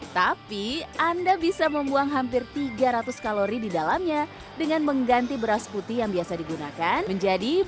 tapi anda bisa membuang hampir tiga ratus kalori di dalamnya dengan mengganti beras putih yang biasa digunakan menjadi buah